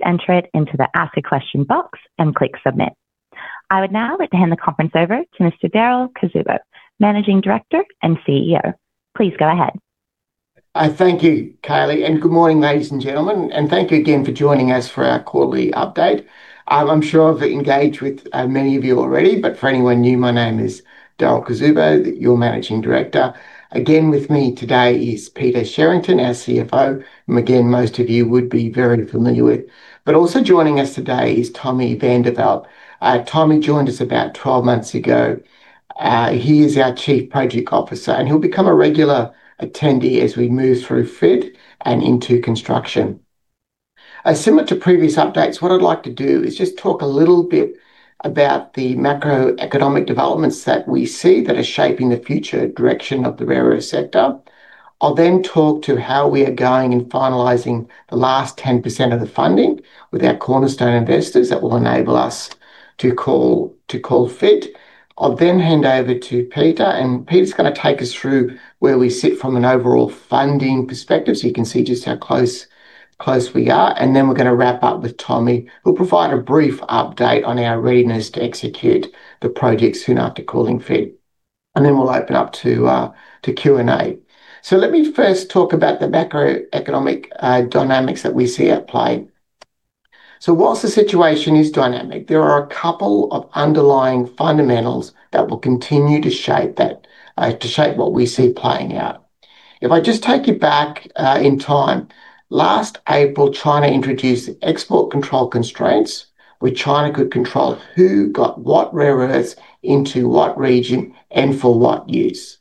Please enter it into the ask a question box and click submit. I would now like to hand the conference over to Mr. Darryl Cuzzubbo, Managing Director and CEO. Please go ahead. I thank you, Kaylee, and good morning, ladies and gentlemen, and thank you again for joining us for our quarterly update. I'm sure I've engaged with many of you already, but for anyone new, my name is Darryl Cuzzubbo, your Managing Director. Again, with me today is Peter Sherrington, our CFO, and again, most of you would be very familiar with. But also joining us today is Tommie van der Walt. Tommie joined us about 12 months ago. He is our Chief Project Officer, and he'll become a regular attendee as we move through FID and into construction. Similar to previous updates, what I'd like to do is just talk a little bit about the macroeconomic developments that we see that are shaping the future direction of the rare earth sector. I'll then talk to how we are going in finalizing the last 10% of the funding with our cornerstone investors that will enable us to call FID. I'll then hand over to Peter, and Peter's gonna take us through where we sit from an overall funding perspective, so you can see just how close, close we are. And then we're gonna wrap up with Tommie, who'll provide a brief update on our readiness to execute the project soon after calling FID. And then we'll open up to Q&A. So let me first talk about the macroeconomic dynamics that we see at play. So whilst the situation is dynamic, there are a couple of underlying fundamentals that will continue to shape that to shape what we see playing out. If I just take you back in time, last April, China introduced export control constraints, where China could control who got what rare earths into what region and for what use.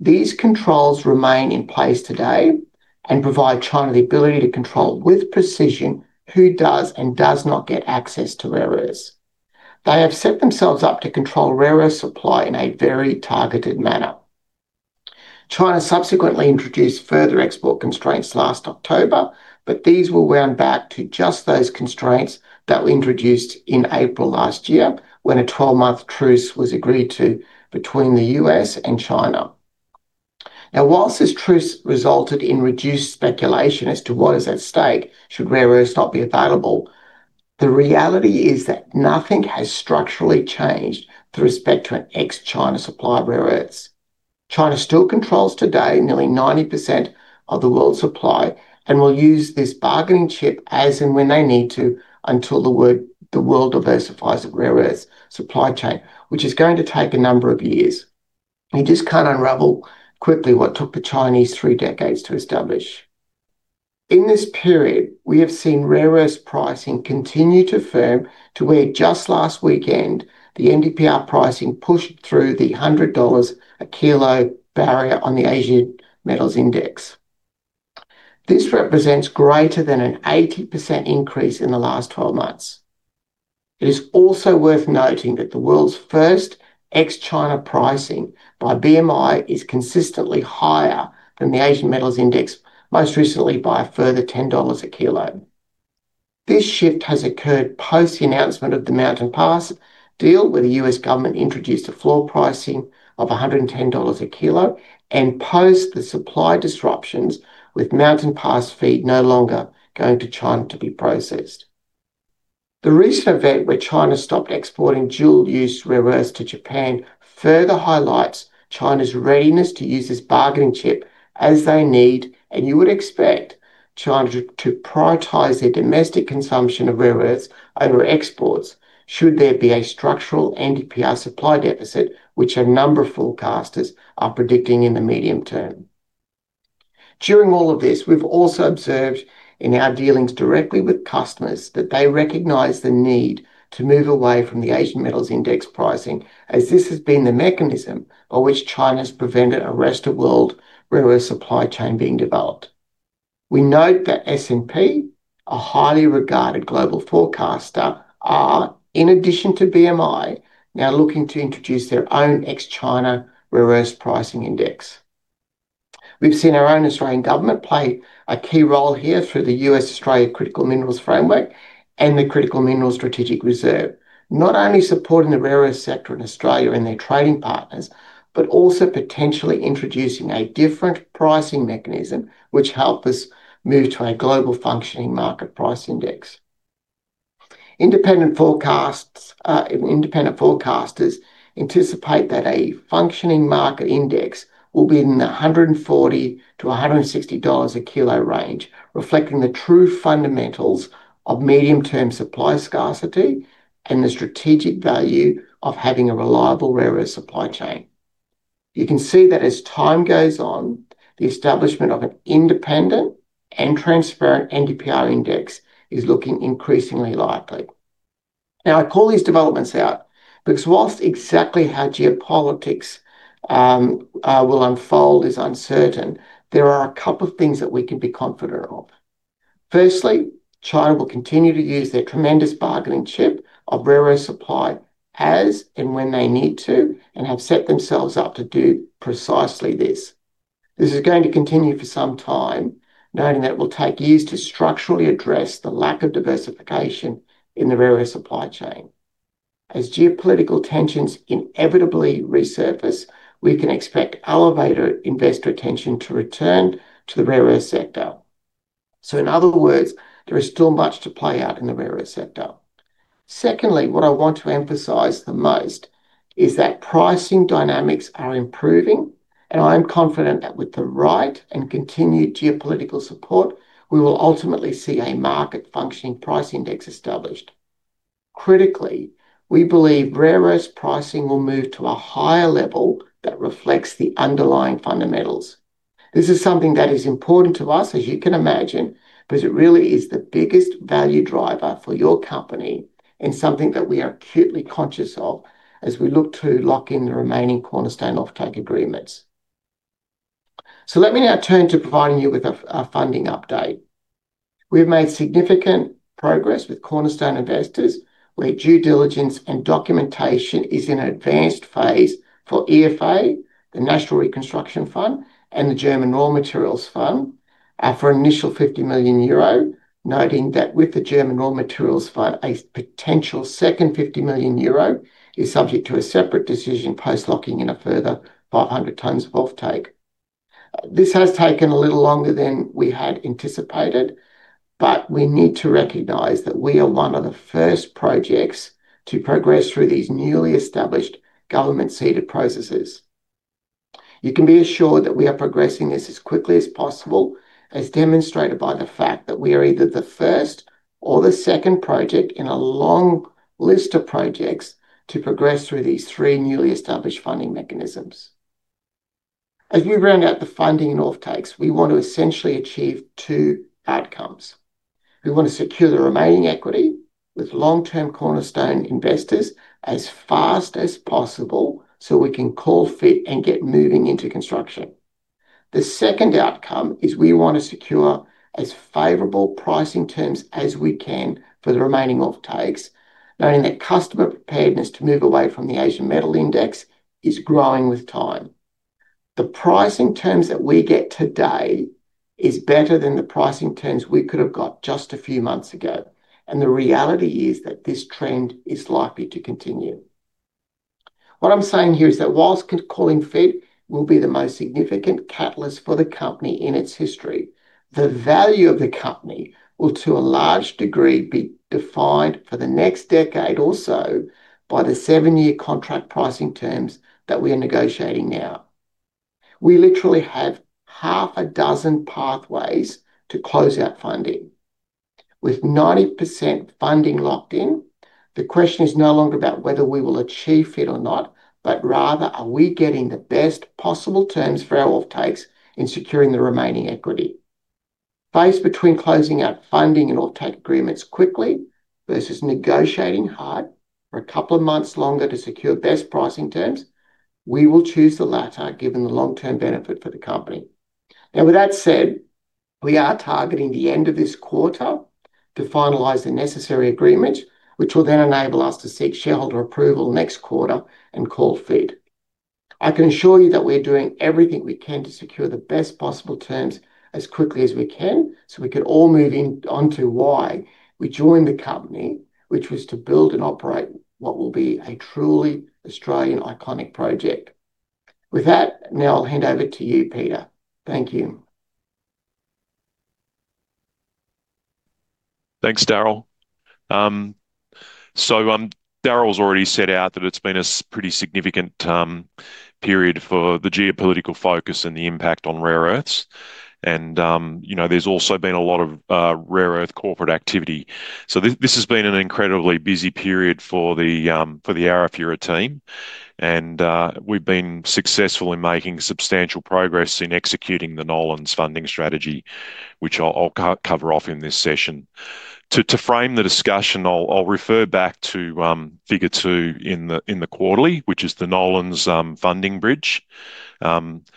These controls remain in place today and provide China the ability to control with precision who does and does not get access to rare earths. They have set themselves up to control rare earth supply in a very targeted manner. China subsequently introduced further export constraints last October, but these will round back to just those constraints that were introduced in April last year, when a 12-month truce was agreed to between the U.S. and China. Now, while this truce resulted in reduced speculation as to what is at stake should rare earths not be available, the reality is that nothing has structurally changed with respect to an ex-China supply of rare earths. China still controls today nearly 90% of the world's supply and will use this bargaining chip as and when they need to, until the world diversifies the rare earths supply chain, which is going to take a number of years. You just can't unravel quickly what took the Chinese 3 decades to establish. In this period, we have seen rare earths pricing continue to firm to where just last weekend, the NdPr pricing pushed through the $100 a kilo barrier on the Asian Metal Index. This represents greater than an 80% increase in the last 12 months. It is also worth noting that the world's first ex-China pricing by BMI is consistently higher than the Asian Metal Index, most recently by a further $10 a kilo. This shift has occurred post the announcement of the Mountain Pass deal, where the U.S. government introduced a floor pricing of $110 a kilo, and post the supply disruptions, with Mountain Pass feed no longer going to China to be processed. The recent event where China stopped exporting dual-use rare earths to Japan further highlights China's readiness to use this bargaining chip as they need, and you would expect China to prioritize their domestic consumption of rare earths over exports should there be a structural NdPr supply deficit, which a number of forecasters are predicting in the medium term. During all of this, we've also observed in our dealings directly with customers that they recognize the need to move away from the Asian Metal Index pricing, as this has been the mechanism by which China has prevented a rest of world rare earth supply chain being developed. We note that S&P, a highly regarded global forecaster, are, in addition to BMI, now looking to introduce their own ex-China rare earths pricing index. We've seen our own Australian government play a key role here through the U.S.-Australia Critical Minerals Framework and the Critical Minerals Strategic Reserve, not only supporting the rare earths sector in Australia and their trading partners, but also potentially introducing a different pricing mechanism, which help us move to a global functioning market price index. Independent forecasts, independent forecasters anticipate that a functioning market index will be in the $140-$160 a kilo range, reflecting the true fundamentals of medium-term supply scarcity and the strategic value of having a reliable rare earth supply chain. You can see that as time goes on, the establishment of an independent and transparent NdPr index is looking increasingly likely. Now, I call these developments out because while exactly how geopolitics will unfold is uncertain, there are a couple of things that we can be confident of. Firstly, China will continue to use their tremendous bargaining chip of rare earth supply as and when they need to, and have set themselves up to do precisely this. This is going to continue for some time, noting that it will take years to structurally address the lack of diversification in the rare earth supply chain... as geopolitical tensions inevitably resurface, we can expect elevated investor attention to return to the rare earth sector. So in other words, there is still much to play out in the rare earth sector. Secondly, what I want to emphasize the most is that pricing dynamics are improving, and I am confident that with the right and continued geopolitical support, we will ultimately see a market functioning price index established. Critically, we believe rare earth pricing will move to a higher level that reflects the underlying fundamentals. This is something that is important to us, as you can imagine, because it really is the biggest value driver for your company and something that we are acutely conscious of as we look to lock in the remaining cornerstone offtake agreements. So let me now turn to providing you with a funding update. We've made significant progress with cornerstone investors, where due diligence and documentation is in an advanced phase for EFA, the National Reconstruction Fund, and the German Raw Materials Fund, for an initial 50 million euro, noting that with the German Raw Materials Fund, a potential second 50 million euro is subject to a separate decision post locking in a further 500 tons of offtake. This has taken a little longer than we had anticipated, but we need to recognize that we are one of the first projects to progress through these newly established government-seeded processes. You can be assured that we are progressing this as quickly as possible, as demonstrated by the fact that we are either the first or the second project in a long list of projects to progress through these three newly established funding mechanisms. As we round out the funding and offtakes, we want to essentially achieve two outcomes. We want to secure the remaining equity with long-term cornerstone investors as fast as possible, so we can call FID and get moving into construction. The second outcome is we want to secure as favorable pricing terms as we can for the remaining offtakes, knowing that customer preparedness to move away from the Asian Metal Index is growing with time. The pricing terms that we get today is better than the pricing terms we could have got just a few months ago, and the reality is that this trend is likely to continue. What I'm saying here is that while calling FID will be the most significant catalyst for the company in its history, the value of the company will, to a large degree, be defined for the next decade or so by the seven-year contract pricing terms that we are negotiating now. We literally have half a dozen pathways to close out funding. With 90% funding locked in, the question is no longer about whether we will achieve FID or not, but rather, are we getting the best possible terms for our offtakes in securing the remaining equity? Faced between closing out funding and offtake agreements quickly versus negotiating hard for a couple of months longer to secure best pricing terms, we will choose the latter, given the long-term benefit for the company. Now, with that said, we are targeting the end of this quarter to finalize the necessary agreement, which will then enable us to seek shareholder approval next quarter and FID. I can assure you that we're doing everything we can to secure the best possible terms as quickly as we can, so we can all move on to why we joined the company, which was to build and operate what will be a truly iconic Australian project. With that, now I'll hand over to you, Peter. Thank you. Thanks, Darryl. So, Darryl's already set out that it's been a pretty significant period for the geopolitical focus and the impact on rare earths. And, you know, there's also been a lot of rare earth corporate activity. So this has been an incredibly busy period for the Arafura team, and we've been successful in making substantial progress in executing the Nolans funding strategy, which I'll cover off in this session. To frame the discussion, I'll refer back to figure two in the quarterly, which is the Nolans funding bridge. The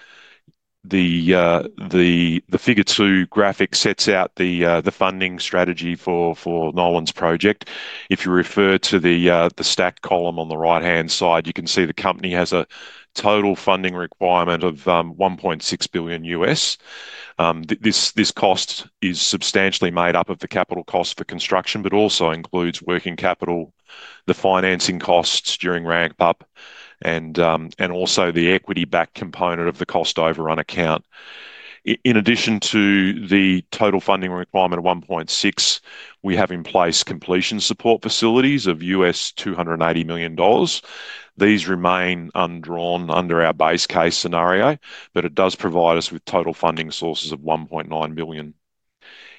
figure two graphic sets out the funding strategy for Nolans Project. If you refer to the stacked column on the right-hand side, you can see the company has a total funding requirement of $1.6 billion. This cost is substantially made up of the capital cost for construction, but also includes working capital, the financing costs during ramp up, and also the equity-backed component of the cost overrun account. In addition to the total funding requirement of $1.6 billion, we have in place completion support facilities of $280 million. These remain undrawn under our base case scenario, but it does provide us with total funding sources of $1.9 billion.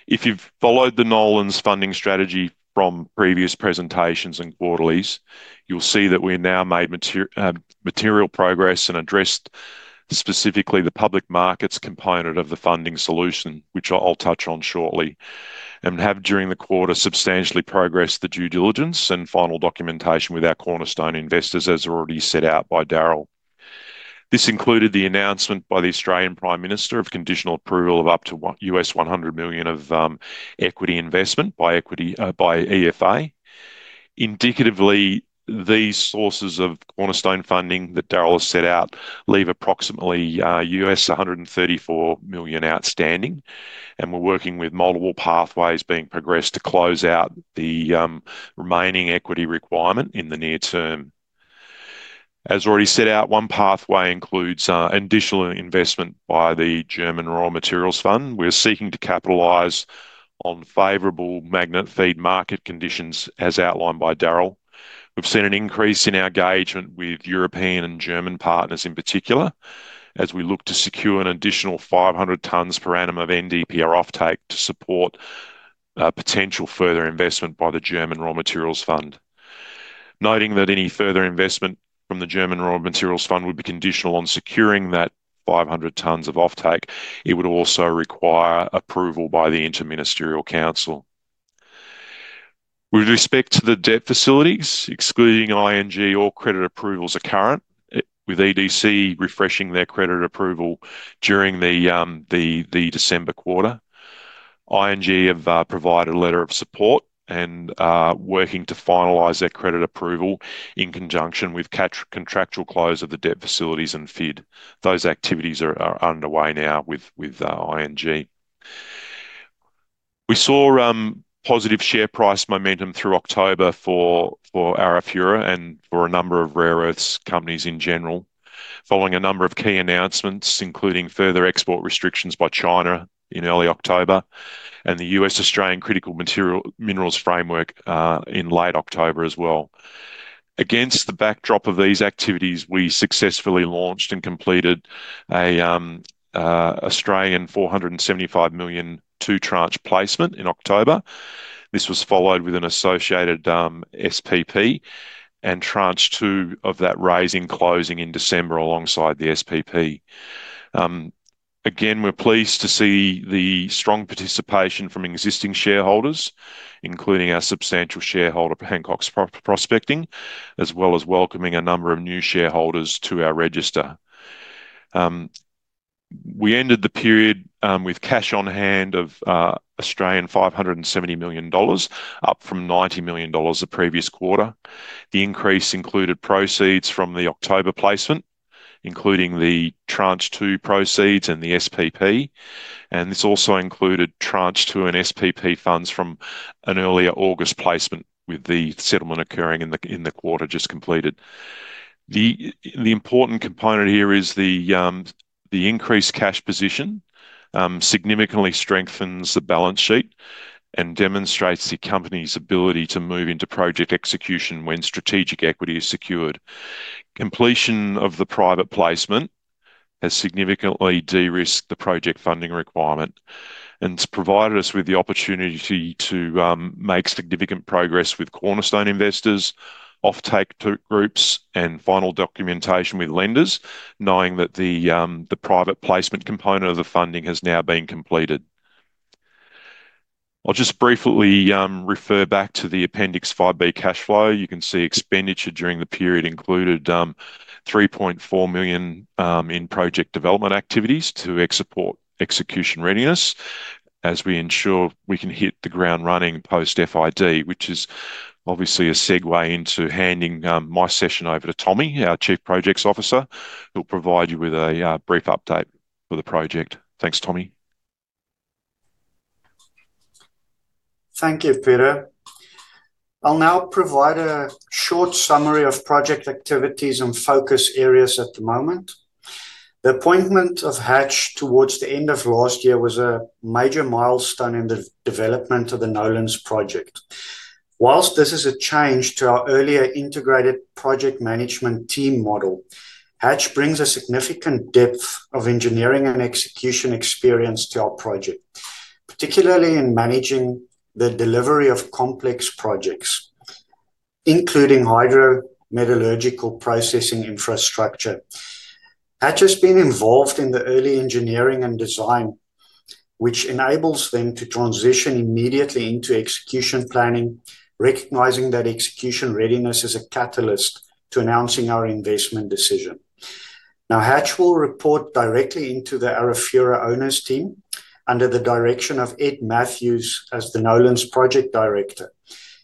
If you've followed the Nolans funding strategy from previous presentations and quarterlies, you'll see that we now made mater... material progress and addressed specifically the public markets component of the funding solution, which I'll touch on shortly, and have during the quarter substantially progressed the due diligence and final documentation with our cornerstone investors, as already set out by Darryl. This included the announcement by the Australian Prime Minister of conditional approval of up to $100 million of equity investment by EFA. Indicatively, these sources of cornerstone funding that Darryl has set out leave approximately $134 million outstanding, and we're working with multiple pathways being progressed to close out the remaining equity requirement in the near term. As already set out, one pathway includes additional investment by the German Raw Materials Fund. We're seeking to capitalize on favorable magnet feed market conditions, as outlined by Darryl. We've seen an increase in our engagement with European and German partners in particular, as we look to secure an additional 500 tons per annum of NdPr offtake to support potential further investment by the German Raw Materials Fund. Noting that any further investment from the German Raw Materials Fund would be conditional on securing that 500 tons of offtake, it would also require approval by the Interministerial Council. With respect to the debt facilities, excluding ING, all credit approvals are current with EDC refreshing their credit approval during the December quarter. ING have provided a letter of support and working to finalize their credit approval in conjunction with contractual close of the debt facilities and FID. Those activities are underway now with ING. We saw positive share price momentum through October for Arafura and for a number of rare earths companies in general, following a number of key announcements, including further export restrictions by China in early October, and the U.S.-Australia Critical Minerals Framework in late October as well. Against the backdrop of these activities, we successfully launched and completed an Australian 475 million two tranche placement in October. This was followed with an associated SPP, and tranche two of that raising closing in December alongside the SPP. Again, we're pleased to see the strong participation from existing shareholders, including our substantial shareholder, Hancock Prospecting, as well as welcoming a number of new shareholders to our register. We ended the period with cash on hand of 570 million Australian dollars, up from 90 million dollars the previous quarter. The increase included proceeds from the October placement, including the tranche two proceeds and the SPP, and this also included tranche two and SPP funds from an earlier August placement, with the settlement occurring in the quarter just completed. The important component here is the increased cash position significantly strengthens the balance sheet and demonstrates the company's ability to move into project execution when strategic equity is secured. Completion of the private placement has significantly de-risked the project funding requirement and has provided us with the opportunity to make significant progress with cornerstone investors, offtake to groups, and final documentation with lenders, knowing that the private placement component of the funding has now been completed. I'll just briefly refer back to the Appendix 5B cash flow. You can see expenditure during the period included 3.4 million in project development activities to support execution readiness, as we ensure we can hit the ground running post-FID, which is obviously a segue into handing my session over to Tommie, our Chief Projects Officer, who'll provide you with a brief update for the project. Thanks, Tommie. Thank you, Peter. I'll now provide a short summary of project activities and focus areas at the moment. The appointment of Hatch towards the end of last year was a major milestone in the development of the Nolans Project. While this is a change to our earlier integrated project management team model, Hatch brings a significant depth of engineering and execution experience to our project, particularly in managing the delivery of complex projects, including hydrometallurgical processing infrastructure. Hatch has been involved in the early engineering and design, which enables them to transition immediately into execution planning, recognizing that execution readiness is a catalyst to announcing our investment decision. Now, Hatch will report directly into the Arafura owners team under the direction of Ed Matthews as the Nolans Project Director.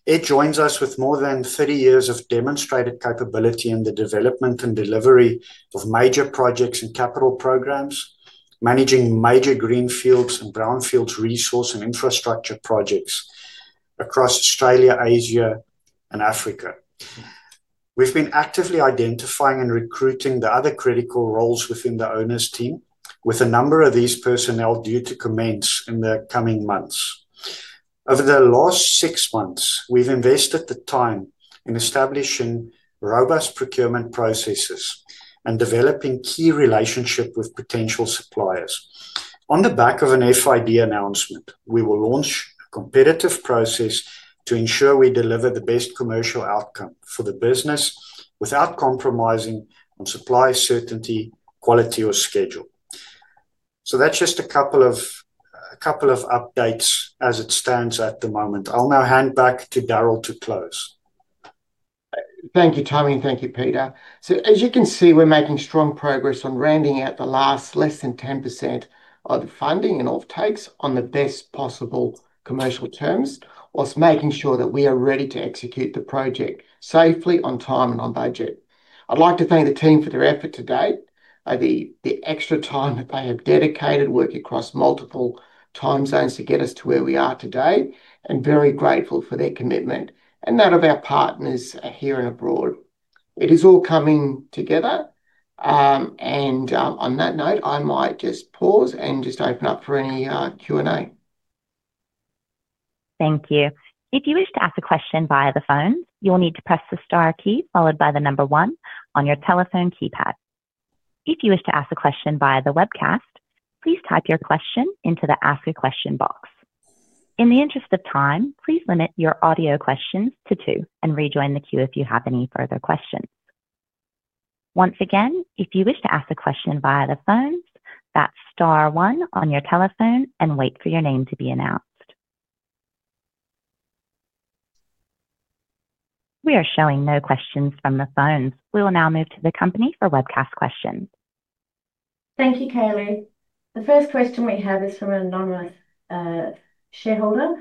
Ed joins us with more than 30 years of demonstrated capability in the development and delivery of major projects and capital programs, managing major greenfields and brownfields resource and infrastructure projects across Australia, Asia, and Africa. We've been actively identifying and recruiting the other critical roles within the owners team, with a number of these personnel due to commence in the coming months. Over the last six months, we've invested the time in establishing robust procurement processes and developing key relationship with potential suppliers. On the back of an FID announcement, we will launch a competitive process to ensure we deliver the best commercial outcome for the business without compromising on supply, certainty, quality, or schedule. So that's just a couple of, a couple of updates as it stands at the moment. I'll now hand back to Darryl to close. Thank you, Tommie. Thank you, Peter. So, as you can see, we're making strong progress on rounding out the last less than 10% of the funding and offtakes on the best possible commercial terms, while making sure that we are ready to execute the project safely, on time, and on budget. I'd like to thank the team for their effort to date, the extra time that they have dedicated working across multiple time zones to get us to where we are today, and very grateful for their commitment and that of our partners here and abroad. It is all coming together. And, on that note, I might just pause and just open up for any Q&A. Thank you. If you wish to ask a question via the phone, you will need to press the star key followed by the number one on your telephone keypad. If you wish to ask a question via the webcast, please type your question into the Ask a Question box. In the interest of time, please limit your audio questions to two and rejoin the queue if you have any further questions. Once again, if you wish to ask a question via the phone, that's star one on your telephone and wait for your name to be announced. We are showing no questions from the phones. We will now move to the company for webcast questions. Thank you, Kaylee. The first question we have is from an anonymous shareholder.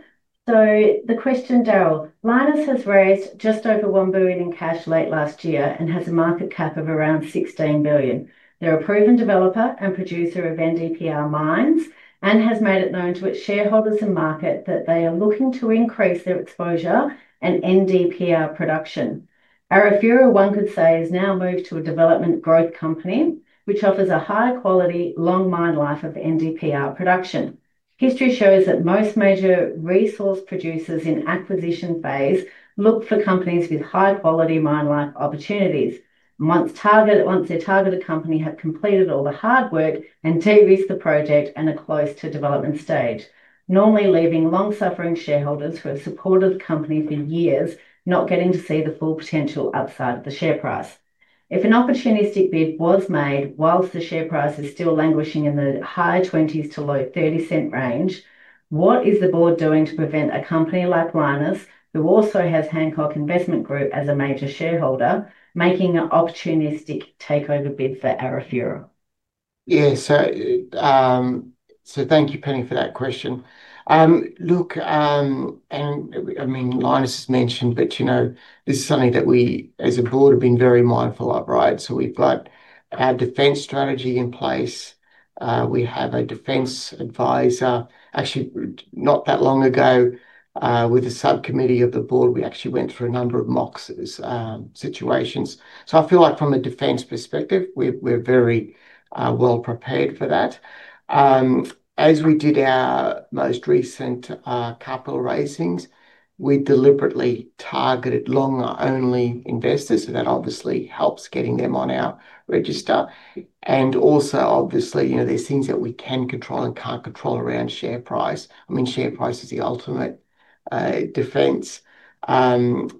So the question, Darryl, Lynas has raised just over 1 billion in cash late last year and has a market cap of around 16 billion. They're a proven developer and producer of NdPr mines, and has made it known to its shareholders and market that they are looking to increase their exposure and NdPr production. Arafura, one could say, has now moved to a development growth company, which offers a higher quality, long mine life of NdPr production. History shows that most major resource producers in acquisition phase look for companies with high-quality mine life opportunities. Once their targeted company had completed all the hard work and de-risked the project and are close to development stage, normally leaving long-suffering shareholders who have supported the company for years, not getting to see the full potential upside of the share price. If an opportunistic bid was made, while the share price is still languishing in the high 20s to low 30s cent range, what is the board doing to prevent a company like Lynas, who also has Hancock Prospecting as a major shareholder, making an opportunistic takeover bid for Arafura? Yeah. So thank you, Penny, for that question. Look, and I mean, Lynas has mentioned, but, you know, this is something that we, as a board, have been very mindful of, right? So we've got our defense strategy in place. We have a defense advisor. Actually, not that long ago, with a subcommittee of the board, we actually went through a number of mock situations. So I feel like from a defense perspective, we're very well prepared for that. As we did our most recent capital raisings, we deliberately targeted long-only investors, so that obviously helps getting them on our register. And also, obviously, you know, there's things that we can control and can't control around share price. I mean, share price is the ultimate defense. And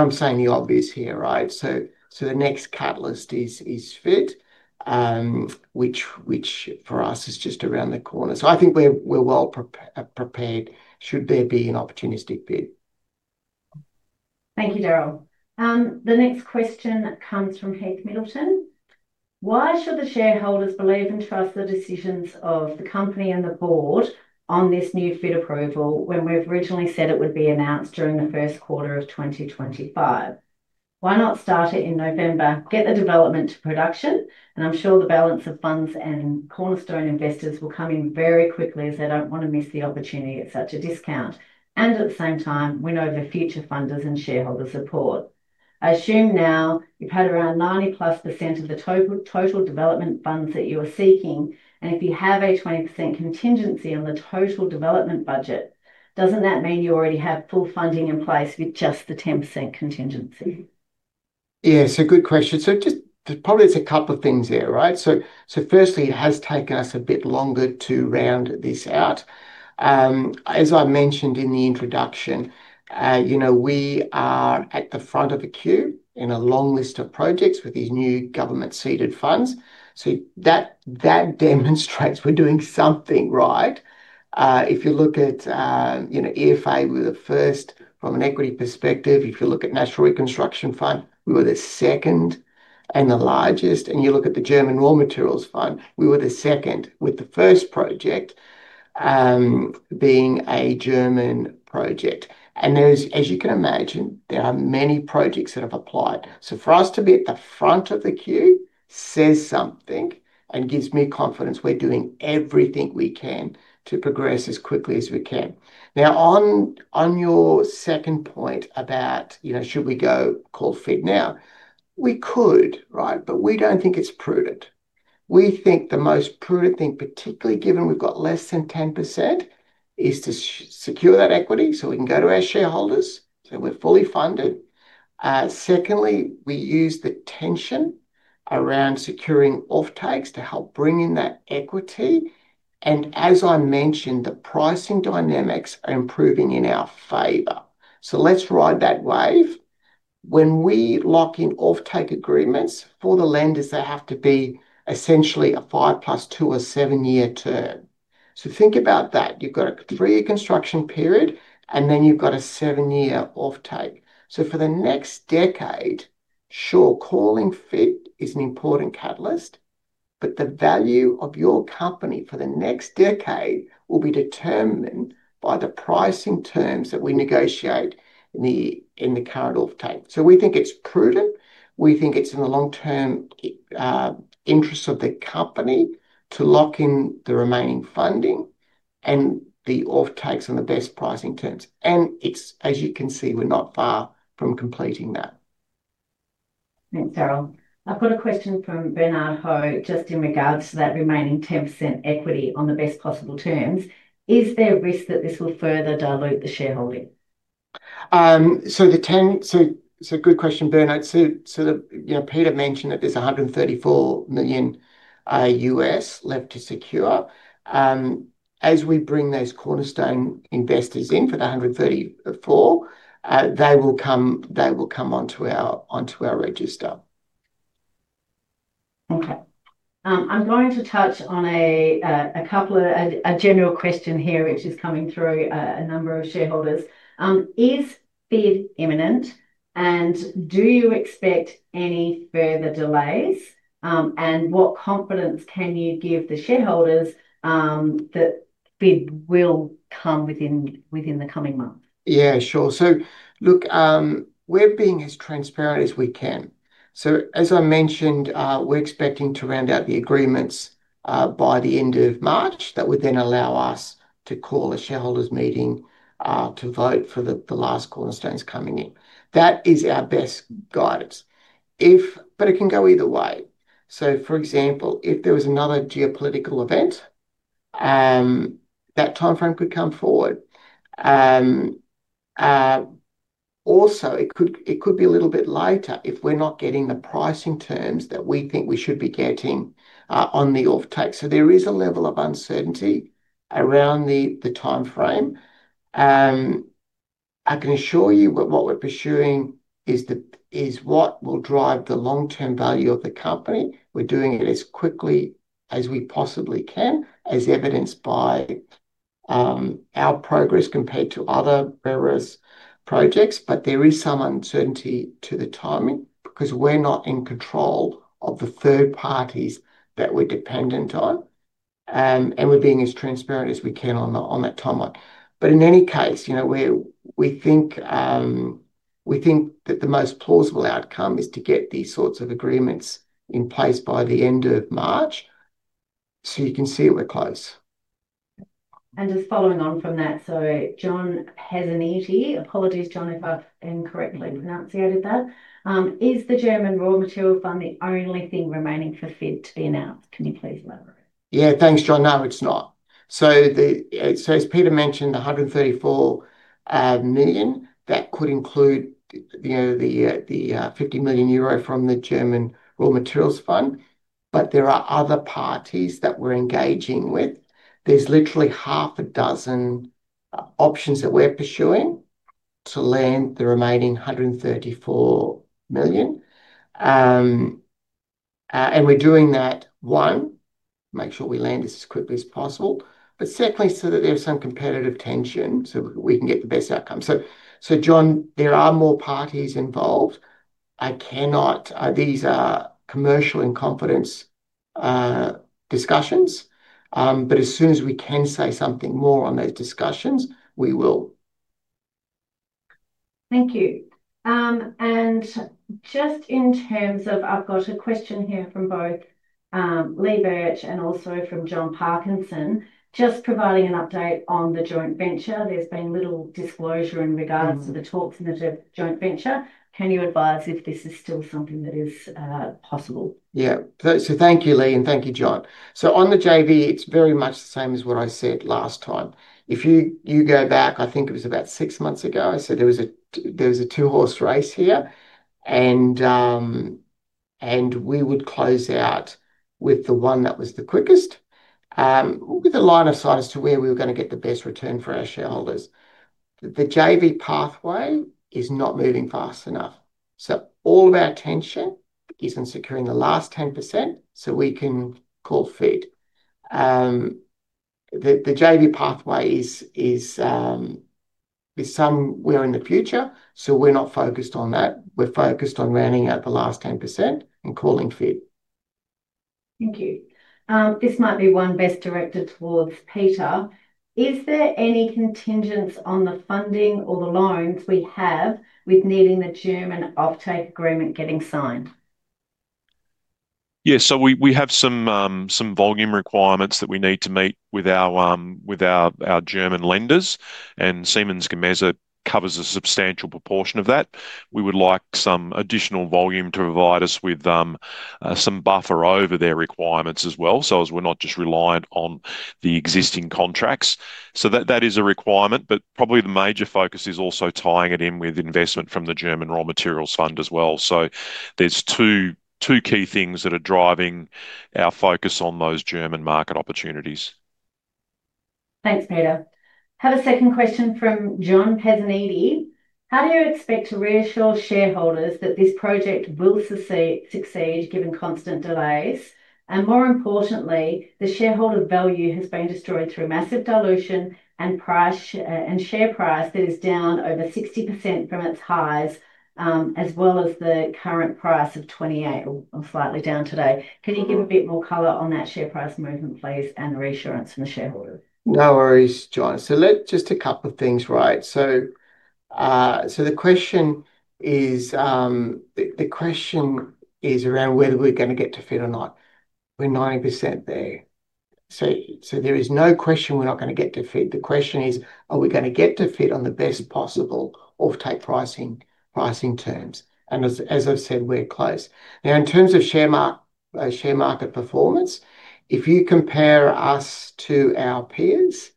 I'm saying the obvious here, right? So the next catalyst is FID, which for us is just around the corner. So I think we're well prepared should there be an opportunistic bid. Thank you, Darryl. The next question comes from Keith Middleton. Why should the shareholders believe and trust the decisions of the company and the board on this new FID approval, when we've originally said it would be announced during the first quarter of 2025? Why not start it in November, get the development to production, and I'm sure the balance of funds and cornerstone investors will come in very quickly, as they don't want to miss the opportunity at such a discount, and at the same time, win over future funders and shareholder support. I assume now you've had around 90+% of the total, total development funds that you are seeking, and if you have a 20% contingency on the total development budget, doesn't that mean you already have full funding in place with just the 10% contingency? Yeah, it's a good question. So just... Probably, it's a couple of things there, right? So firstly, it has taken us a bit longer to round this out. As I mentioned in the introduction, you know, we are at the front of a queue in a long list of projects with these new government-seeded funds. So that demonstrates we're doing something right. If you look at EFA, we're the first from an equity perspective. If you look at National Reconstruction Fund, we were the second and the largest, and you look at the German Raw Materials Fund, we were the second, with the first project being a German project. And there's, as you can imagine, there are many projects that have applied. So for us to be at the front of the queue says something and gives me confidence we're doing everything we can to progress as quickly as we can. Now, on, on your second point about, you know, should we go call FID now? We could, right? But we don't think it's prudent. We think the most prudent thing, particularly given we've got less than 10%, is to secure that equity, so we can go to our shareholders, so we're fully funded. Secondly, we use the tension around securing offtakes to help bring in that equity, and as I mentioned, the pricing dynamics are improving in our favor. So let's ride that wave. When we lock in offtake agreements for the lenders, they have to be essentially a 5 + 2 or 7-year term. So think about that. You've got a 3-year construction period, and then you've got a 7-year offtake. So for the next decade, sure, calling FID is an important catalyst, but the value of your company for the next decade will be determined by the pricing terms that we negotiate in the, in the current offtake. So we think it's prudent, we think it's in the long-term interest of the company to lock in the remaining funding.... and the offtakes and the best pricing terms. And it's, as you can see, we're not far from completing that. Thanks, Darryl. I've got a question from Bernard Ho, just in regards to that remaining 10% equity on the best possible terms. Is there a risk that this will further dilute the shareholding? So good question, Bernard. So, you know, Peter mentioned that there's $134 million U.S. left to secure. As we bring those cornerstone investors in for the $134, they will come, they will come onto our, onto our register. Okay. I'm going to touch on a general question here, which is coming through a number of shareholders. Is FID imminent, and do you expect any further delays? And what confidence can you give the shareholders that FID will come within the coming month? Yeah, sure. So look, we're being as transparent as we can. So as I mentioned, we're expecting to round out the agreements, by the end of March. That would then allow us to call a shareholders' meeting, to vote for the, the last cornerstones coming in. That is our best guidance. But it can go either way. So for example, if there was another geopolitical event, that timeframe could come forward. Also, it could, it could be a little bit later if we're not getting the pricing terms that we think we should be getting, on the offtake. So there is a level of uncertainty around the, the timeframe. I can assure you that what we're pursuing is what will drive the long-term value of the company. We're doing it as quickly as we possibly can, as evidenced by our progress compared to other rare earth projects. But there is some uncertainty to the timing, because we're not in control of the third parties that we're dependent on. And we're being as transparent as we can on that timeline. But in any case, you know, we think that the most plausible outcome is to get these sorts of agreements in place by the end of March. So you can see we're close. Just following on from that, so John Pezzaniti. Apologies, John, if I've incorrectly pronounced that. Is the German Raw Materials Fund the only thing remaining for FID to be announced? Can you please elaborate? Yeah. Thanks, John. No, it's not. So as Peter mentioned, the 134 million, that could include, you know, the 50 million euro from the German Raw Materials Fund, but there are other parties that we're engaging with. There's literally half a dozen options that we're pursuing to land the remaining 134 million. And we're doing that, one, make sure we land this as quickly as possible, but secondly, so that there's some competitive tension, so we can get the best outcome. So, so John, there are more parties involved. I cannot, these are commercial in confidence discussions, but as soon as we can say something more on those discussions, we will. Thank you. And just in terms of... I've got a question here from both, Lee Birch and also from John Parkinson. Just providing an update on the joint venture, there's been little disclosure in regards-... to the talks in the joint venture. Can you advise if this is still something that is, possible? Yeah. So thank you, Lee, and thank you, John. So on the JV, it's very much the same as what I said last time. If you go back, I think it was about six months ago, I said there was a two-horse race here, and we would close out with the one that was the quickest with a line of sight as to where we were going to get the best return for our shareholders. The JV pathway is not moving fast enough, so all of our attention is on securing the last 10%, so we can call FID. The JV pathway is somewhere in the future, so we're not focused on that. We're focused on rounding out the last 10% and calling FID. Thank you. This might be one best directed towards Peter. Is there any contingency on the funding or the loans we have with needing the German offtake agreement getting signed? Yeah, so we, we have some some volume requirements that we need to meet with our, with our, our German lenders, and Siemens Gamesa covers a substantial proportion of that. We would like some additional volume to provide us with some buffer over their requirements as well, so as we're not just reliant on the existing contracts. So that, that is a requirement, but probably the major focus is also tying it in with investment from the German Raw Materials Fund as well. So there's two, two key things that are driving our focus on those German market opportunities. Thanks, Peter. Have a second question from John Pezzaniti: How do you expect to reassure shareholders that this project will succeed given constant delays? And more importantly, the shareholder value has been destroyed through massive dilution and share price that is down over 60% from its highs, as well as the current price of 0.28, or slightly down today. Can you give a bit more color on that share price movement, please, and reassurance from the shareholders? No worries, John. Just a couple of things, right? So the question is, the question is around whether we're going to get to FID or not. We're 90% there. So there is no question we're not gonna get to FID. The question is, are we gonna get to FID on the best possible offtake pricing terms? As I've said, we're close. Now, in terms of share market performance, if you compare us to our peers,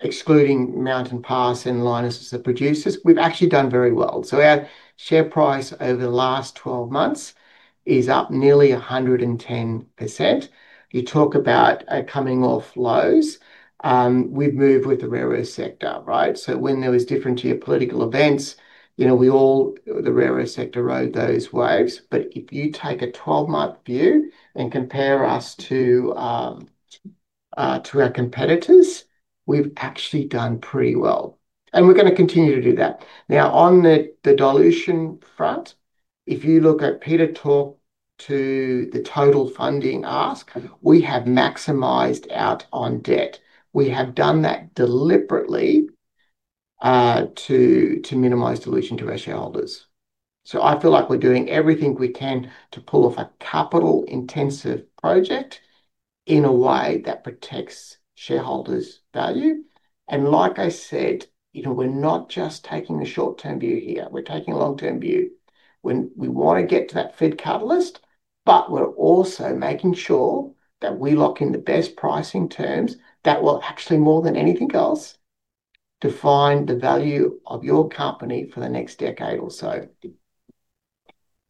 excluding Mountain Pass and Lynas as the producers, we've actually done very well. So our share price over the last 12 months is up nearly 110%. You talk about coming off lows, we've moved with the rare earth sector, right? So when there was different geopolitical events, you know, we all, the rare earth sector rode those waves. But if you take a 12-month view and compare us to our competitors, we've actually done pretty well, and we're gonna continue to do that. Now, on the dilution front, if you look at Peter talk to the total funding ask, we have maximized out on debt. We have done that deliberately to minimize dilution to our shareholders. So I feel like we're doing everything we can to pull off a capital-intensive project in a way that protects shareholders' value. And like I said, you know, we're not just taking the short-term view here, we're taking a long-term view. We want to get to that FID catalyst, but we're also making sure that we lock in the best pricing terms that will actually more than anything else, define the value of your company for the next decade or so.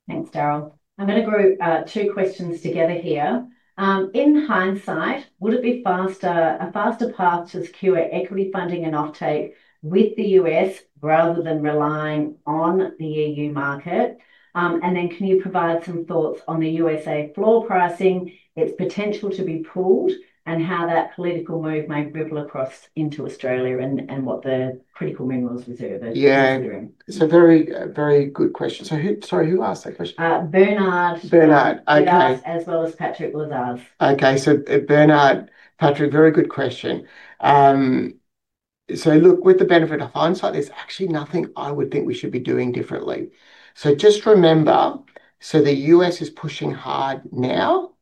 Thanks, Darryl. I'm gonna group two questions together here. In hindsight, would it be faster, a faster path to secure equity funding and offtake with the U.S. rather than relying on the EU market? And then can you provide some thoughts on the USA floor pricing, its potential to be pulled, and how that political move may ripple across into Australia and what the critical minerals reserve are considering? Yeah, it's a very, very good question. So who - sorry, who asked that question? Uh, Bernard. Bernard, okay. He asked, as well as Patrick Lazar. Okay. So Bernard, Patrick, very good question. So look, with the benefit of hindsight, there's actually nothing I would think we should be doing differently. So just remember, so the U.S. is pushing hard now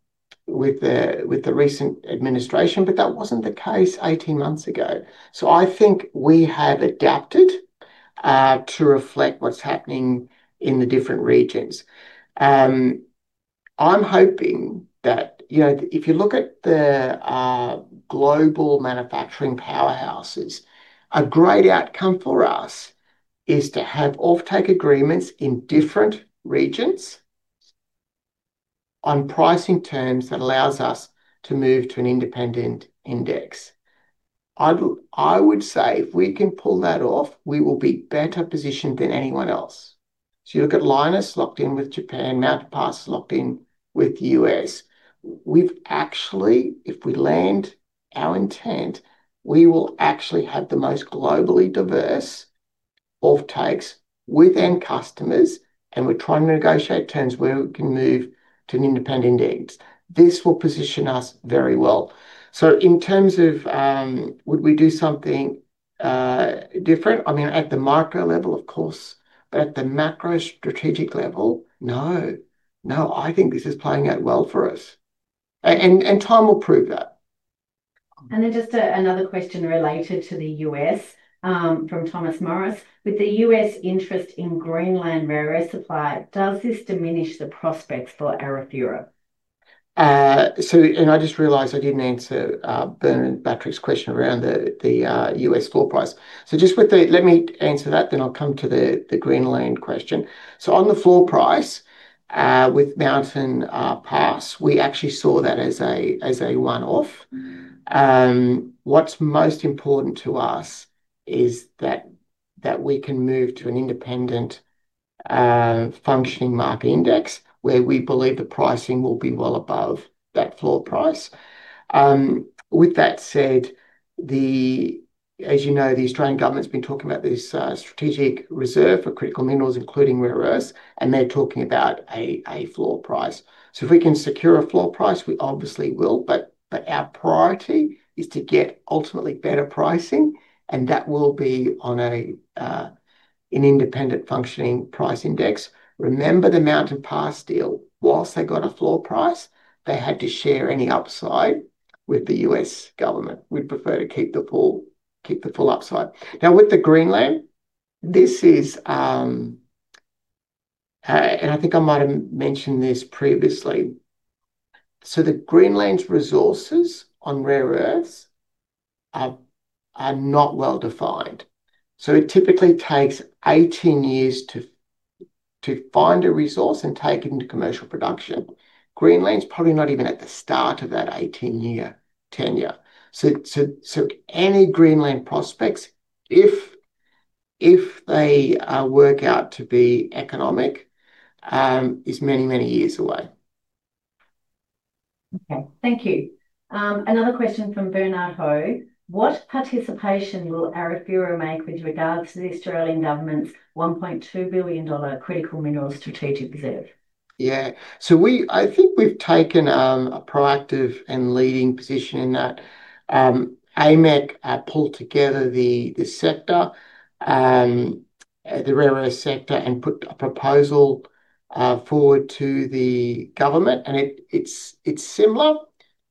with the, with the recent administration, but that wasn't the case 18 months ago. So I think we have adapted to reflect what's happening in the different regions. I'm hoping that, you know, if you look at the global manufacturing powerhouses, a great outcome for us is to have offtake agreements in different regions on pricing terms that allows us to move to an independent index. I would, I would say if we can pull that off, we will be better positioned than anyone else. So you look at Lynas locked in with Japan, Mountain Pass locked in with U.S. We've actually, if we land our intent, we will actually have the most globally diverse offtakes with end customers, and we're trying to negotiate terms where we can move to an independent index. This will position us very well. So in terms of, would we do something different? I mean, at the micro level, of course, but at the macro strategic level, no. No, I think this is playing out well for us, and time will prove that. And then just, another question related to the U.S., from Thomas Morris: With the U.S. interest in Greenland rare earth supply, does this diminish the prospects for Arafura? I just realized I didn't answer Bernard and Patrick's question around the U.S. floor price. So just with the... Let me answer that, then I'll come to the Greenland question. So on the floor price, with Mountain Pass, we actually saw that as a one-off. What's most important to us is that we can move to an independent functioning market index, where we believe the pricing will be well above that floor price. With that said, as you know, the Australian government's been talking about this strategic reserve for critical minerals, including rare earths, and they're talking about a floor price. So if we can secure a floor price, we obviously will, but, but our priority is to get ultimately better pricing, and that will be on an independent functioning price index. Remember the Mountain Pass deal. Whilst they got a floor price, they had to share any upside with the U.S. government. We'd prefer to keep the full, keep the full upside. Now, with the Greenland, this is, and I think I might have mentioned this previously. So the Greenland's resources on rare earths are, are not well defined. So it typically takes 18 years to, to find a resource and take it into commercial production. Greenland's probably not even at the start of that 18-year tenure. So, so, so any Greenland prospects, if, if they, work out to be economic, is many, many years away. Okay, thank you. Another question from Bernard Ho: What participation will Arafura make with regards to the Australian government's 1.2 billion dollar Critical Minerals Strategic Reserve? Yeah. So we-- I think we've taken a proactive and leading position in that. AMEC pulled together the sector, the rare earth sector, and put a proposal forward to the government, and it, it's similar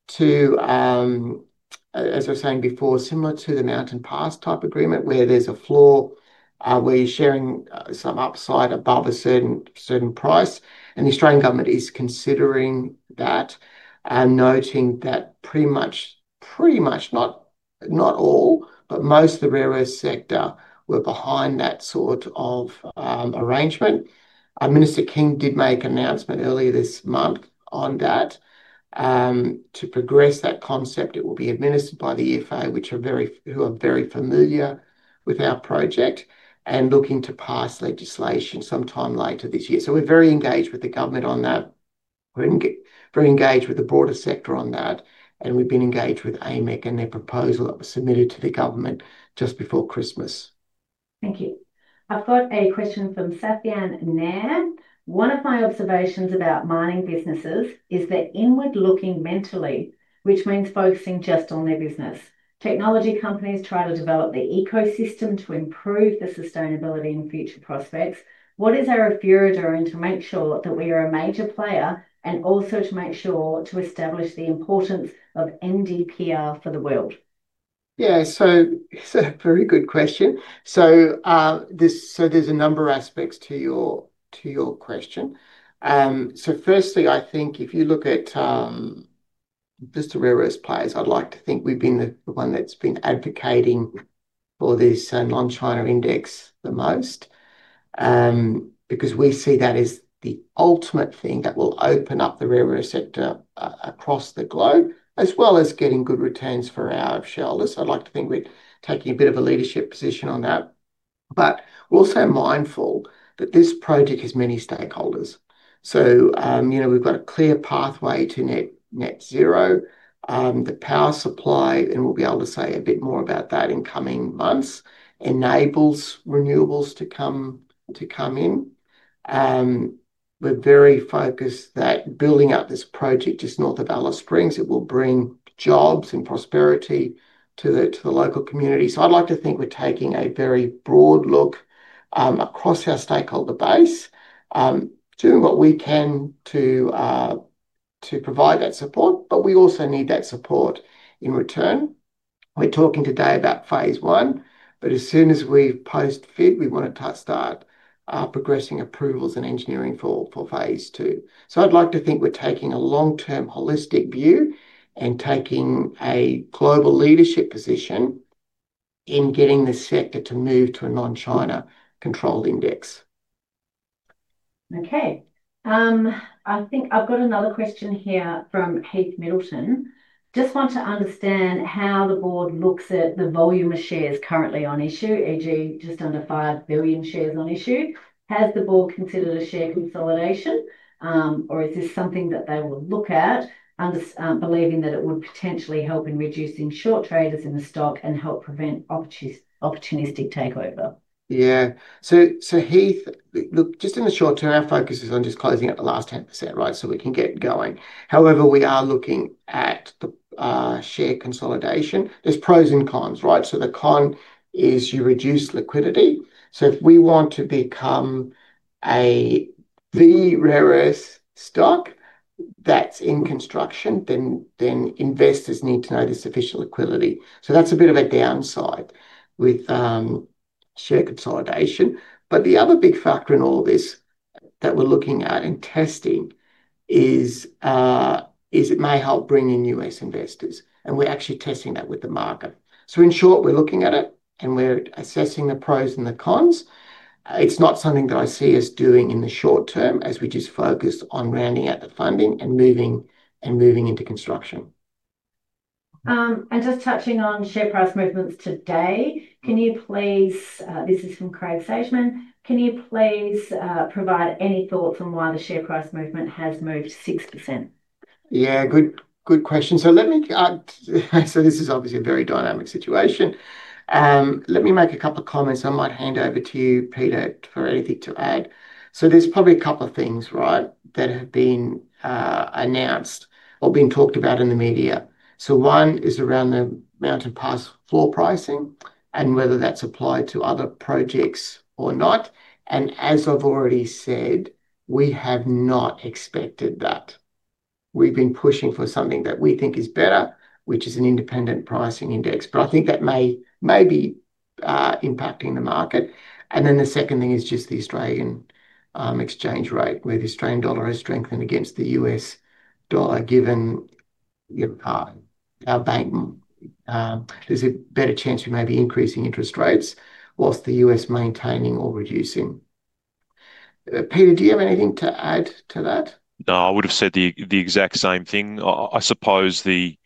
to, as I was saying before, similar to the Mountain Pass type agreement, where there's a floor, where you're sharing some upside above a certain price. And the Australian government is considering that and noting that pretty much, not all, but most of the rare earth sector were behind that sort of arrangement. Minister King did make an announcement earlier this month on that to progress that concept. It will be administered by the EFA, who are very familiar with our project and looking to pass legislation sometime later this year. So we're very engaged with the government on that. We're very engaged with the broader sector on that, and we've been engaged with AMEC and their proposal that was submitted to the government just before Christmas. Thank you. I've got a question from Sathyan Nair. "One of my observations about mining businesses is they're inward-looking mentally, which means focusing just on their business. Technology companies try to develop their ecosystem to improve their sustainability and future prospects. What is our effort doing to make sure that we are a major player, and also to make sure to establish the importance of NdPr for the world? Yeah, so it's a very good question. So, there's a number of aspects to your question. So firstly, I think if you look at just the rare earth players, I'd like to think we've been the one that's been advocating for this non-China index the most. Because we see that as the ultimate thing that will open up the rare earth sector across the globe, as well as getting good returns for our shareholders. I'd like to think we're taking a bit of a leadership position on that. But we're also mindful that this project has many stakeholders. So, you know, we've got a clear pathway to net zero. The power supply, and we'll be able to say a bit more about that in coming months, enables renewables to come in. We're very focused that building up this project just north of Alice Springs, it will bring jobs and prosperity to the, to the local community. So I'd like to think we're taking a very broad look across our stakeholder base, doing what we can to provide that support, but we also need that support in return. We're talking today about phase one, but as soon as we post FID, we want to start progressing approvals and engineering for phase two. So I'd like to think we're taking a long-term, holistic view and taking a global leadership position in getting the sector to move to a non-China-controlled index. Okay. I think I've got another question here from Keith Middleton. "Just want to understand how the board looks at the volume of shares currently on issue, e.g., just under 5 billion shares on issue. Has the board considered a share consolidation, or is this something that they will look at, believing that it would potentially help in reducing short traders in the stock and help prevent opportunistic takeover? Yeah. So, so Keith, look, just in the short term, our focus is on just closing up the last 10%, right? So we can get going. However, we are looking at the share consolidation. There's pros and cons, right? So the con is you reduce liquidity. So if we want to become a, the rare earth stock that's in construction, then, then investors need to know there's sufficient liquidity. So that's a bit of a downside with share consolidation. But the other big factor in all this that we're looking at and testing is it may help bring in U.S. investors, and we're actually testing that with the market. So in short, we're looking at it, and we're assessing the pros and the cons. It's not something that I see us doing in the short term, as we just focus on rounding out the funding and moving, and moving into construction. Just touching on share price movements today, can you please... This is from Craig Stegman: "Can you please provide any thought on why the share price movement has moved 6%? Yeah, good, good question. So let me, so this is obviously a very dynamic situation. Let me make a couple of comments. I might hand over to you, Peter, for anything to add. So there's probably a couple of things, right, that have been announced or been talked about in the media. So one is around the Mountain Pass floor pricing and whether that's applied to other projects or not. And as I've already said, we have not expected that. We've been pushing for something that we think is better, which is an independent pricing index, but I think that may be impacting the market. And then the second thing is just the Australian exchange rate, where the Australian dollar has strengthened against the U.S. dollar, given our bank, there's a better chance we may be increasing interest rates, whilst the U.S. maintaining or reducing. Peter, do you have anything to add to that? No, I would have said the exact same thing. I suppose the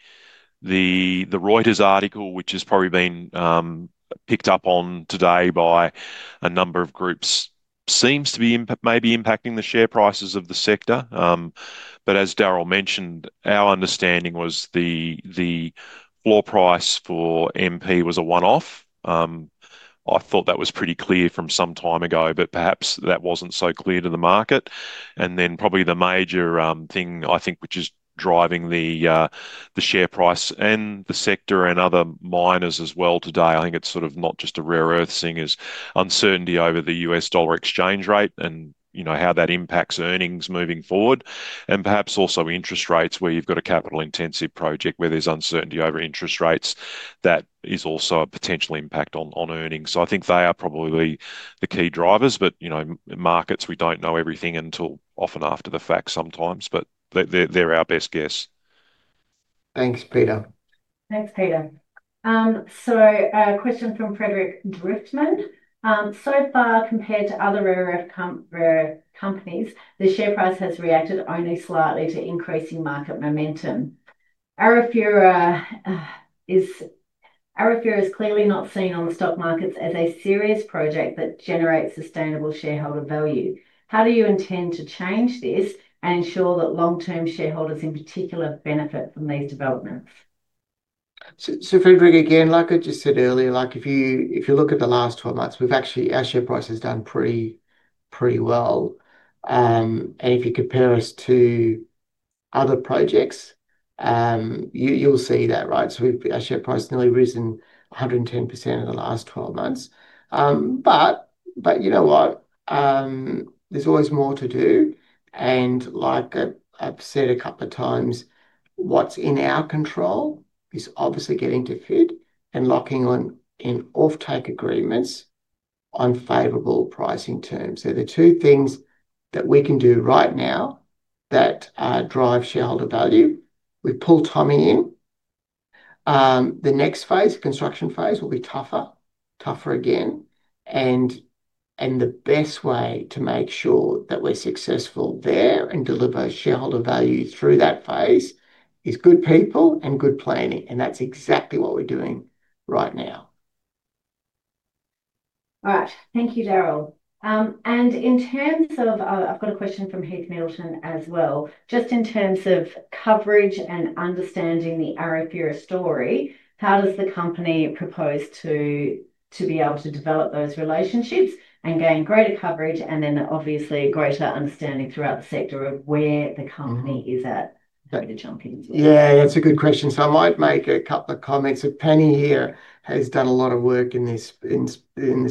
Reuters article, which has probably been picked up on today by a number of groups, seems to be maybe impacting the share prices of the sector. But as Darryl mentioned, our understanding was the floor price for MP was a one-off. I thought that was pretty clear from some time ago, but perhaps that wasn't so clear to the market. And then probably the major thing, I think, which is driving the share price and the sector and other miners as well today, I think it's sort of not just a rare earth thing, is uncertainty over the U.S. dollar exchange rate and, you know, how that impacts earnings moving forward. And perhaps also interest rates, where you've got a capital-intensive project where there's uncertainty over interest rates, that is also a potential impact on earnings. So I think they are probably the key drivers. But, you know, in markets, we don't know everything until often after the fact sometimes, but they're our best guess. Thanks, Peter. Thanks, Peter. So a question from Frederick Driftman. So far, compared to other rare earth companies, the share price has reacted only slightly to increasing market momentum. Arafura is clearly not seen on the stock markets as a serious project that generates sustainable shareholder value. How do you intend to change this and ensure that long-term shareholders, in particular, benefit from these developments? Frederick, again, like I just said earlier, like, if you, if you look at the last 12 months, we've actually... Our share price has done pretty, pretty well. If you compare us to other projects, you, you'll see that, right? So our share price has nearly risen 110% in the last 12 months. But, but you know what? There's always more to do, and like I've said a couple of times, what's in our control is obviously getting to FID and locking on, in offtake agreements on favorable pricing terms. They're the two things that we can do right now that drive shareholder value. We've pulled Tommie in. The next phase, construction phase, will be tougher, tougher again, and the best way to make sure that we're successful there and deliver shareholder value through that phase is good people and good planning, and that's exactly what we're doing right now. All right. Thank you, Darryl. In terms of, I've got a question from Keith Middleton as well. Just in terms of coverage and understanding the Arafura story, how does the company propose to be able to develop those relationships and gain greater coverage, and then obviously greater understanding throughout the sector of where the company is at-... with the jump in? Yeah, that's a good question, so I might make a couple of comments. So Penny here has done a lot of work in this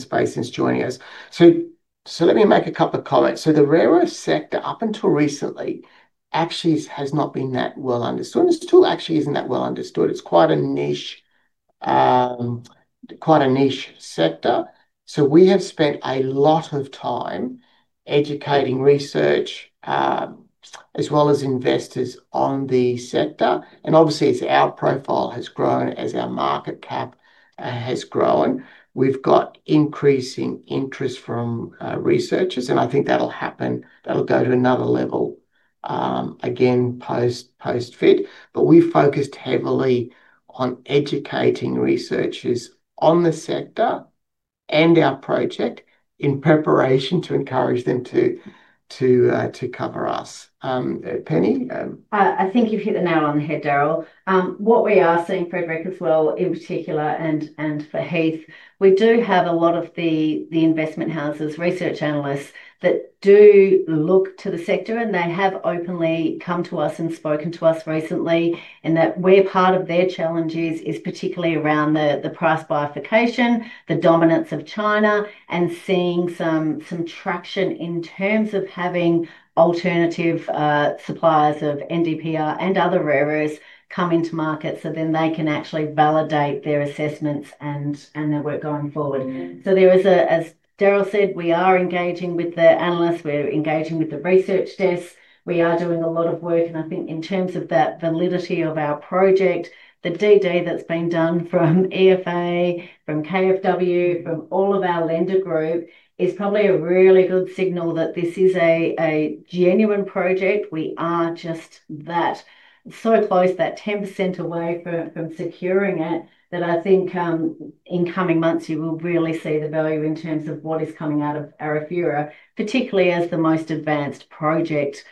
space since joining us. So let me make a couple of comments. So the rare earth sector, up until recently, actually has not been that well understood. It still actually isn't that well understood. It's quite a niche sector. So we have spent a lot of time educating researchers, as well as investors on the sector. And obviously, as our profile has grown, as our market cap has grown, we've got increasing interest from researchers, and I think that'll go to another level again post-FID. But we've focused heavily on educating researchers on the sector and our project in preparation to encourage them to cover us. Penny? I think you've hit the nail on the head, Darryl. What we are seeing, Frederick, as well, in particular, and for Keith, we do have a lot of the investment houses, research analysts, that do look to the sector, and they have openly come to us and spoken to us recently, and that where part of their challenge is particularly around the price bifurcation, the dominance of China, and seeing some traction in terms of having alternative suppliers of NdPr and other rare earths come into market, so then they can actually validate their assessments and their work going forward. So there is a... As Darryl said, we are engaging with the analysts. We're engaging with the research desks. We are doing a lot of work, and I think in terms of that validity of our project, the DD that's been done from EFA, from KfW, from all of our lender group, is probably a really good signal that this is a genuine project. We are just that so close, that 10% away from securing it, that I think in coming months, you will really see the value in terms of what is coming out of Arafura, particularly as the most advanced project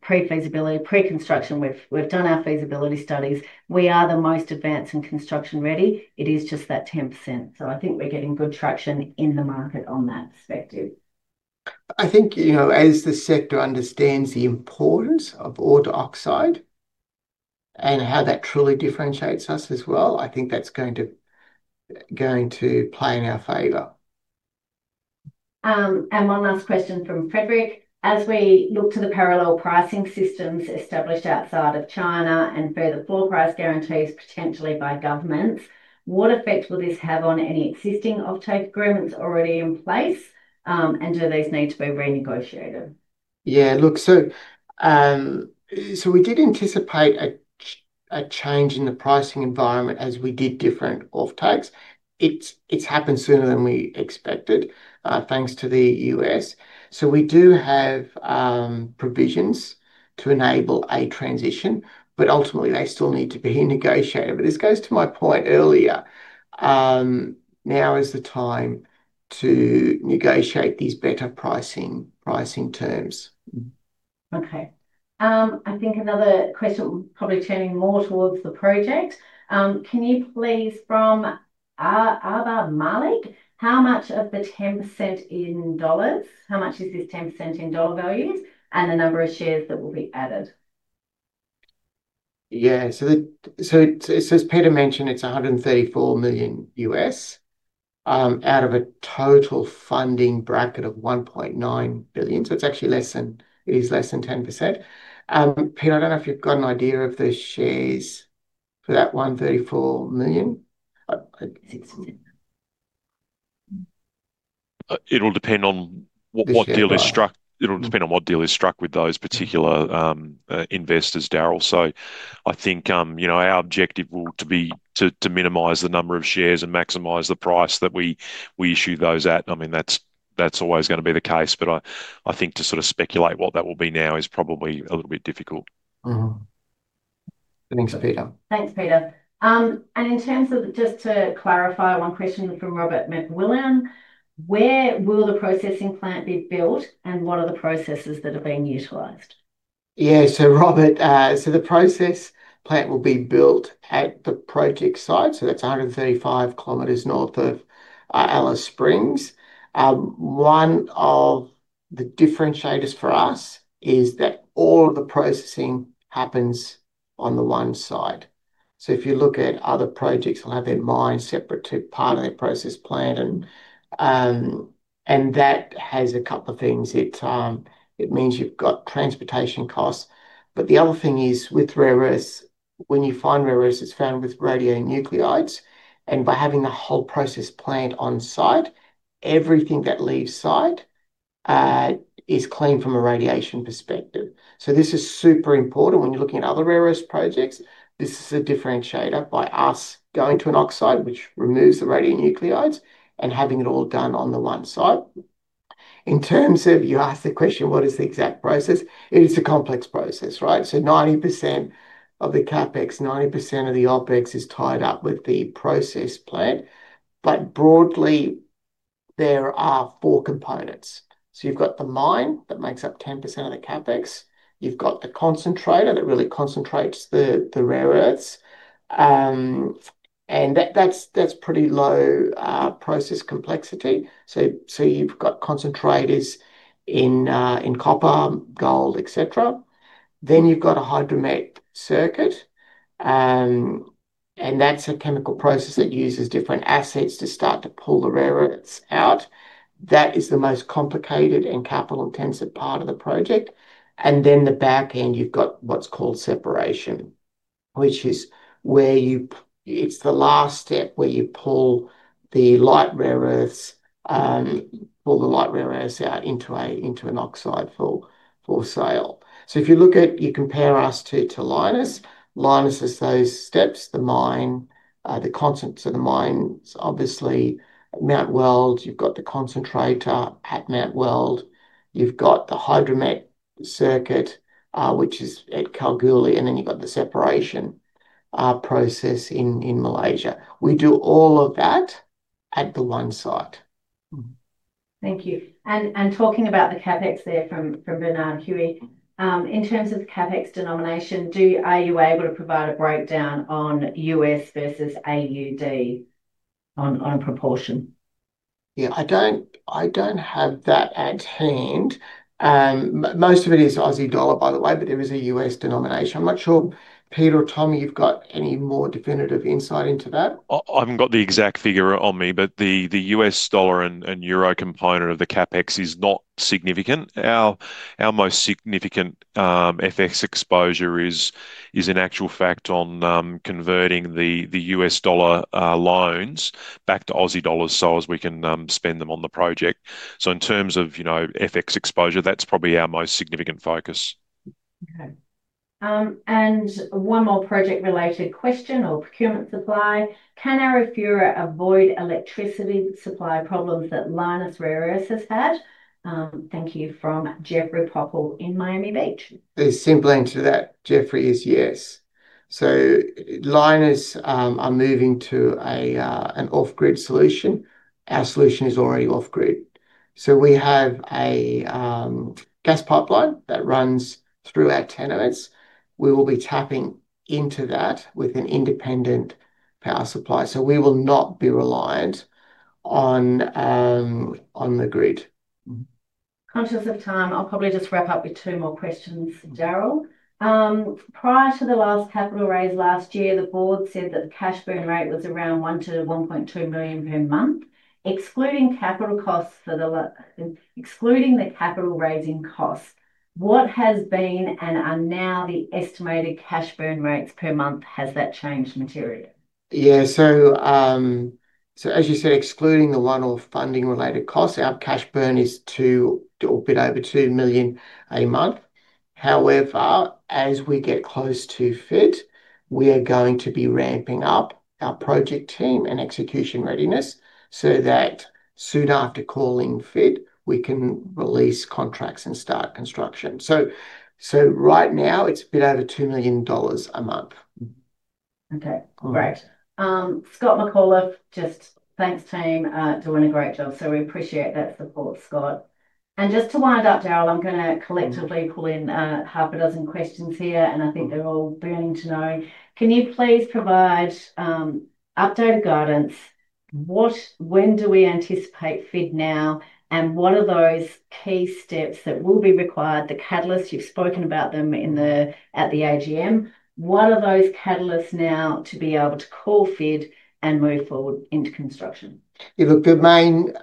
pre-feasibility, pre-construction. We've done our feasibility studies. We are the most advanced and construction-ready. It is just that 10%. So I think we're getting good traction in the market on that perspective. I think, you know, as the sector understands the importance of NdPr oxide and how that truly differentiates us as well, I think that's going to play in our favor. And one last question from Frederick: As we look to the parallel pricing systems established outside of China and further floor price guarantees, potentially by governments, what effect will this have on any existing offtake agreements already in place, and do these need to be renegotiated? Yeah, look, so, so we did anticipate a change in the pricing environment as we did different offtakes. It's happened sooner than we expected, thanks to the U.S. So we do have provisions to enable a transition, but ultimately they still need to be negotiated. But this goes to my point earlier, now is the time to negotiate these better pricing, pricing terms. Okay. I think another question, probably turning more towards the project. Can you please, from Aba Malik, how much of the 10% in dollars, how much is this 10% in dollar values, and the number of shares that will be added? Yeah. So, so as Peter mentioned, it's $134 million out of a total funding bracket of $1.9 billion. So it's actually less than... It is less than 10%. Peter, I don't know if you've got an idea of the shares for that $134 million? I, it's- It'll depend on what deal is struck. Yeah. It'll depend on what deal is struck with those particular investors, Darryl. So I think, you know, our objective will be to minimize the number of shares and maximize the price that we issue those at. I mean, that's always going to be the case, but I think to sort of speculate what that will be now is probably a little bit difficult. Thanks, Peter. Thanks, Peter. Just to clarify one question from Robert McWilliam, where will the processing plant be built, and what are the processes that are being utilized? Yeah. So Robert, so the process plant will be built at the project site, so that's 135 km north of Alice Springs. One of the differentiators for us is that all of the processing happens on the one site. So if you look at other projects, they'll have their mine separate to part of their process plant, and, and that has a couple of things. It, it means you've got transportation costs. But the other thing is, with rare earths, when you find rare earths, it's found with radionuclides, and by having the whole process plant on site, everything that leaves site is clean from a radiation perspective. So this is super important. When you're looking at other rare earths projects, this is a differentiator by us going to an oxide, which removes the radionuclides, and having it all done on the one site. In terms of, you asked the question, what is the exact process? It is a complex process, right? So 90% of the CapEx, 90% of the OpEx is tied up with the process plant. But broadly, there are four components. So you've got the mine that makes up 10% of the CapEx. You've got the concentrator that really concentrates the rare earths. And that's pretty low process complexity. So you've got concentrators in copper, gold, et cetera. Then you've got a hydromet circuit, and that's a chemical process that uses different acids to start to pull the rare earths out. That is the most complicated and capital-intensive part of the project. And then the back end, you've got what's called separation, which is where you. It's the last step, where you pull the light rare earths, pull the light rare earths out into a, into an oxide for, for sale. So if you look at, you compare us to, to Lynas. Lynas has those steps, the mine, the concentrate to the mine, obviously, Mount Weld, you've got the concentrator at Mount Weld. You've got the hydromet circuit, which is at Kalgoorlie, and then you've got the separation, process in, in Malaysia. We do all of that at the one site. Thank you. And talking about the CapEx there from Bernard Ho, in terms of the CapEx denomination, are you able to provide a breakdown on U.S. versus AUD on proportion? Yeah, I don't, I don't have that at hand. Most of it is Aussie dollar, by the way, but there is a U.S. denomination. I'm not sure, Peter or Tommie, you've got any more definitive insight into that? I haven't got the exact figure on me, but the U.S. dollar and euro component of the CapEx is not significant. Our most significant FX exposure is in actual fact on converting the U.S. dollar loans back to Aussie dollars, so as we can spend them on the project. So in terms of, you know, FX exposure, that's probably our most significant focus. Okay. And one more project-related question or procurement supply: Can Arafura avoid electricity supply problems that Lynas Rare Earths has had? Thank you, from Jeffrey Popple in Miami Beach. The simple answer to that, Jeffrey, is yes. So Lynas are moving to an off-grid solution. Our solution is already off grid. So we have a gas pipeline that runs through our tenements. We will be tapping into that with an independent power supply. So we will not be reliant on the grid. Conscious of time, I'll probably just wrap up with two more questions, Darryl. Prior to the last capital raise last year, the board said that the cash burn rate was around 1-1.2 million per month. Excluding the capital raising costs, what has been and are now the estimated cash burn rates per month? Has that changed materially? Yeah, so, so as you said, excluding the one-off funding related costs, our cash burn is 2, or a bit over 2 million a month. However, as we get close to FID, we are going to be ramping up our project team and execution readiness, so that soon after calling FID, we can release contracts and start construction. So, so right now, it's a bit over 2 million dollars a month. Okay, great. Scott McCullough, just, "Thanks, team, doing a great job," so we appreciate that support, Scott. And just to wind up, Darryl, I'm gonna collectively pull in half a dozen questions here, and I think they're all burning to know. Can you please provide updated guidance? What, when do we anticipate FID now, and what are those key steps that will be required, the catalysts, you've spoken about them at the AGM. What are those catalysts now to be able to call FID and move forward into construction? Yeah, look, the main,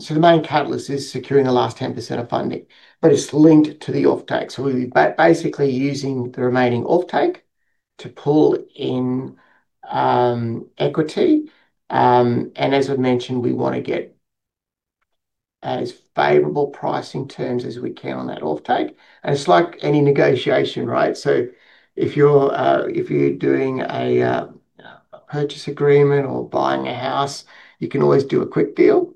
so the main catalyst is securing the last 10% of funding, but it's linked to the offtake. So we'll be basically using the remaining offtake to pull in, equity, and as we've mentioned, we want to get as favorable pricing terms as we can on that offtake. And it's like any negotiation, right? So if you're, if you're doing a, a purchase agreement or buying a house, you can always do a quick deal.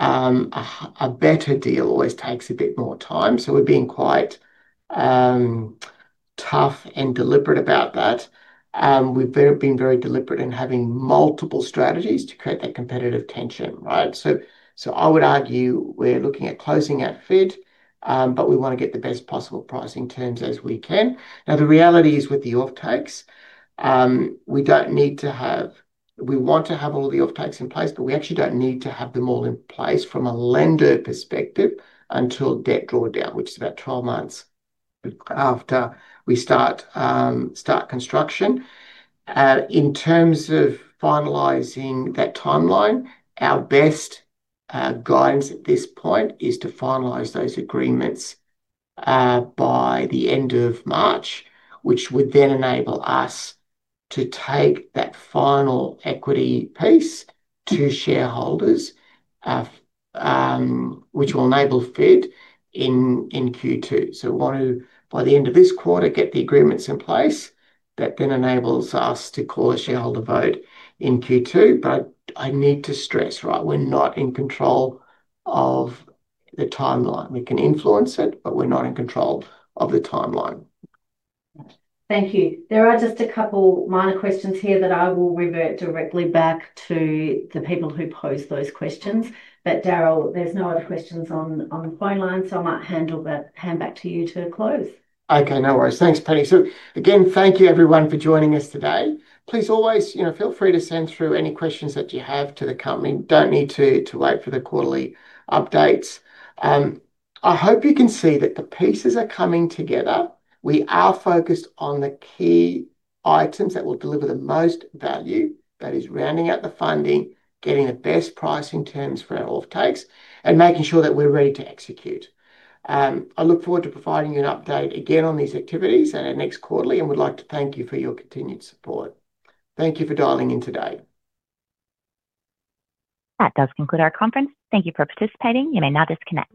A better deal always takes a bit more time, so we're being quite, tough and deliberate about that. We've been very deliberate in having multiple strategies to create that competitive tension, right? So, so I would argue we're looking at closing out FID, but we want to get the best possible pricing terms as we can. Now, the reality is, with the offtakes, we don't need to have... We want to have all the offtakes in place, but we actually don't need to have them all in place from a lender perspective until debt draw down, which is about 12 months after we start construction. In terms of finalizing that timeline, our best guidance at this point is to finalize those agreements by the end of March, which would then enable us to take that final equity piece to shareholders, which will enable FID in Q2. So we want to, by the end of this quarter, get the agreements in place. That then enables us to call a shareholder vote in Q2, but I need to stress, right, we're not in control of the timeline. We can influence it, but we're not in control of the timeline. Thank you. There are just a couple minor questions here that I will revert directly back to the people who posed those questions, but Darryl, there's no other questions on the phone line, so I might hand back to you to close. Okay, no worries. Thanks, Patty. So again, thank you everyone for joining us today. Please always, you know, feel free to send through any questions that you have to the company. Don't need to wait for the quarterly updates. I hope you can see that the pieces are coming together. We are focused on the key items that will deliver the most value, that is, rounding out the funding, getting the best pricing terms for our offtakes, and making sure that we're ready to execute. I look forward to providing you an update again on these activities at our next quarterly, and would like to thank you for your continued support. Thank you for dialing in today. That does conclude our conference. Thank you for participating. You may now disconnect.